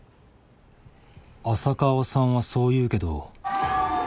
浅川さんはそう言うけど。